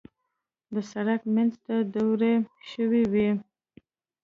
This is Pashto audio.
د سړک منځ ته دوړې شوې وې.